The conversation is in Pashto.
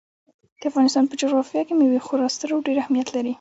د افغانستان په جغرافیه کې مېوې خورا ستر او ډېر اهمیت لري.